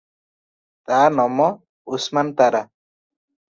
ତା’ ନମ ଉସ୍-ମାନ୍-ତା-ରା!